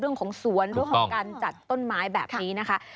เรื่องของสวนเรื่องของการจัดต้นไม้แบบนี้นะคะ